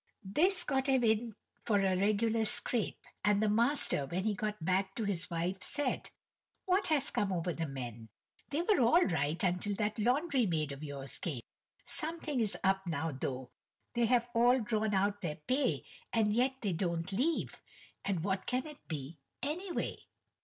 This got him in for a regular scrape, and the master when he got back to his wife said: "What has come over the men, they were all right until that laundry maid of yours came. Something is up now though. They have all drawn out their pay, and yet they don't leave, and what can it be anyway?"